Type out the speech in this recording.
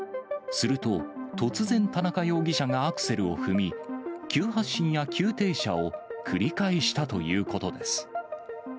すると、突然、田中容疑者がアクセルを踏み、急発進や急停車を繰り返したということです。